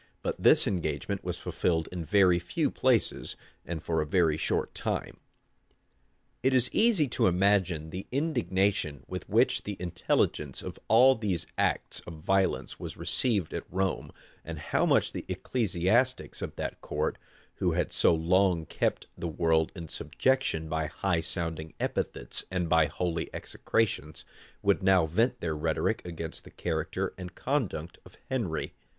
But this engagement was fulfilled in very few places, and for a very short time. * Burnet, vol. i p. 237. It is easy to imagine the indignation with which the intelligence of all these acts of violence was received at Rome; and how much the ecclesiastics of that court, who had so long kept the world in subjection by high sounding epithets and by holy execrations, would now vent their rhetoric against the character and conduct of Henry.